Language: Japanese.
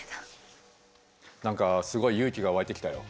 何かすごい勇気が湧いてきたよ。